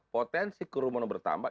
potensi kerumunan bertambah